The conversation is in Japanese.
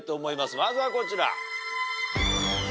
まずはこちら。